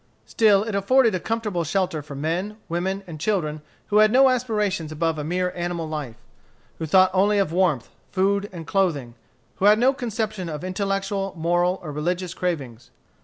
Still it afforded a comfortable shelter for men, women, and children who had no aspirations above a mere animal life; who thought only of warmth, food, and clothing; who had no conception of intellectual, moral, or religious cravings.